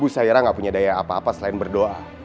bu saira nggak punya daya apa apa selain berdoa